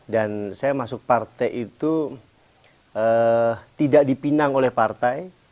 dan saya masuk partai itu tidak dipinang oleh partai